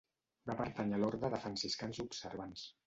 Va pertànyer a l’orde de franciscans observants.